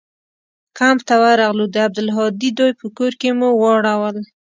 کمپ ته ورغلو د عبدالهادي دوى په کور کښې مو واړول.